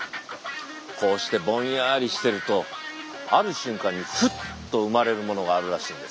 こうしてぼんやりしてるとある瞬間にふっと生まれるものがあるらしいんです。